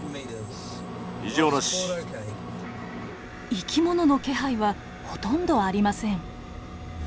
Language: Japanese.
生き物の気配はほとんどありません。